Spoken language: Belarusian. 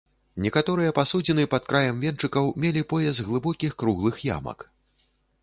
Некаторыя пасудзіны пад краем венчыкаў мелі пояс глыбокіх круглых ямак.